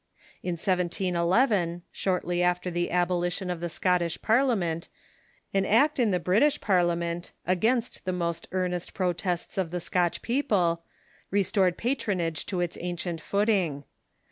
In 1711, shortly after the abolition of the Scottish Parliament, an act in the British Par liament, against the most earnest protests of the Scotch people, restored patronage to its ancient footing.